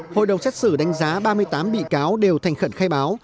hội đồng xét xử đánh giá ba mươi tám bị cáo đều thành khẩn khai báo